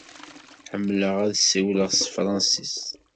Ḥemmleɣ ad ssiwleɣ s tefṛensist.